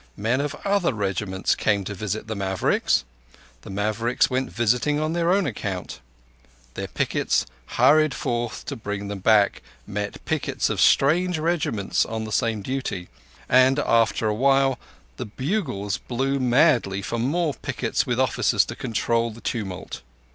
Men of other regiments came to visit the Mavericks. The Mavericks went visiting on their own account. Their pickets hurried forth to bring them back, met pickets of strange regiments on the same duty; and, after a while, the bugles blew madly for more pickets with officers to control the tumult.